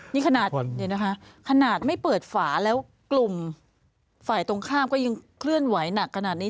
นี่ขนาดไม่เปิดฝาแล้วกลุ่มฝ่ายตรงข้ามก็ยังเคลื่อนไหวหนักขนาดนี้